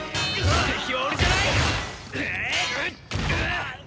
敵は俺じゃない！